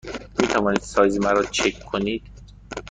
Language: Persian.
می توانید سایز مرا چک کنید؟